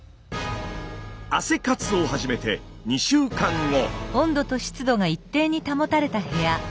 汗活を始めて２週間後。